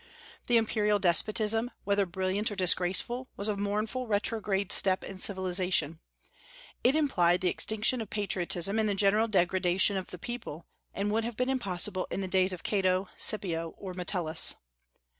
The imperial despotism, whether brilliant or disgraceful, was a mournful retrograde step in civilization; it implied the extinction of patriotism and the general degradation of the people, and would have been impossible in the days of Cato, Scipio, or Metellus.